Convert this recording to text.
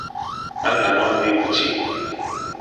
Anna non vive ci.